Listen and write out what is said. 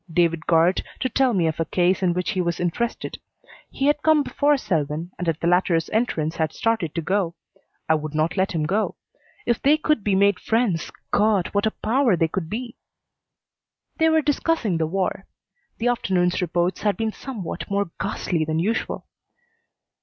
David Guard, to tell me of a case in which he was interested. He had come before Selwyn, and at the latter's entrance had started to go. I would not let him go. If they could be made friends God! what a power they could be! They were discussing the war. The afternoon's reports had been somewhat more ghastly than usual.